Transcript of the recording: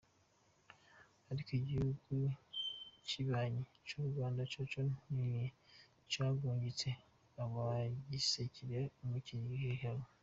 Ariko igihugu kibanyi c'u Rwanda coco nticarungitse abagiserukira mu iri higanwa.